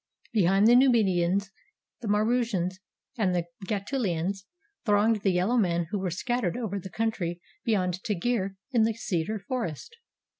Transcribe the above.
Behind the Numidians, the Maurusians, and the Gaetulians, thronged the yellow men who were scattered over the country beyond Taggir in the cedar forest.